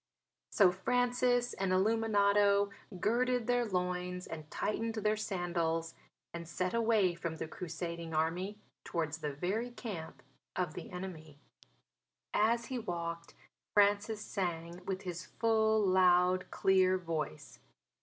So Francis and Illuminato girded their loins and tightened their sandals and set away from the Crusading Army towards the very camp of the enemy. As he walked Francis sang with his full, loud, clear voice.